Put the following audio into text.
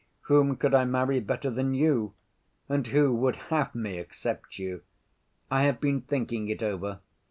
Whom could I marry better than you—and who would have me except you? I have been thinking it over.